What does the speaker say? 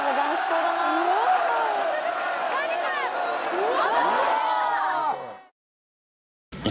うわ！